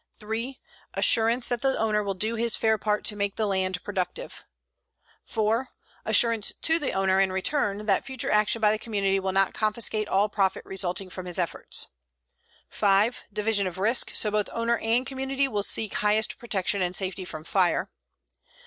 3. Assurance that the owner will do his fair part to make the land productive. 4. Assurance to the owner in return that future action by the community will not confiscate all profit resulting from his effort. 5. Division of risk, so both owner and community will seek highest production and safety from fire.